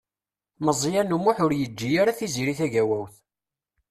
Meẓyan U Muḥ ur yeǧǧi ara Tiziri Tagawawt.